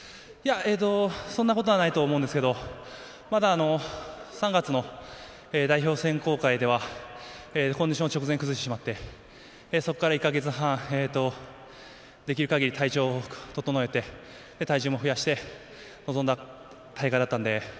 そんなことはないと思うんですけどまだ、３月の代表選考会ではコンディションを直前に崩してしまってそこから１月半、できるかぎり体調を整えて体重も増やして臨んだ大会だったんで。